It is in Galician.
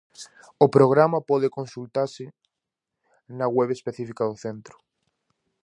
O programa pode consultase na web específica do evento.